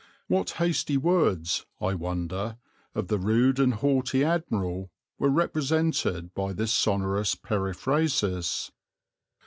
What hasty words, I wonder, of the rude and haughty admiral were represented by this sonorous periphrasis?